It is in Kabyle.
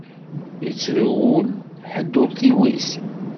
Ittru wul, ḥedd ur t-iwwit.